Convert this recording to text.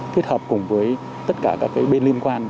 kết hợp cùng với tất cả các bên liên quan